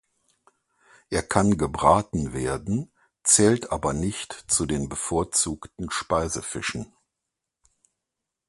Er kann gebraten werden, zählt aber nicht zu den bevorzugten Speisefischen.